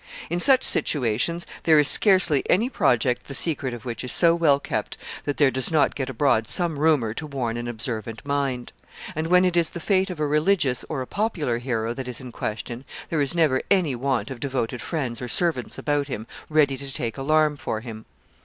In such situations there is scarcely any project the secret of which is so well kept that there does not get abroad some rumor to warn an observant mind; and when it is the fate of a religious or a popular hero that is in question, there is never any want of devoted friends or servants about him, ready to take alarm for him.